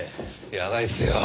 やばいっすよ。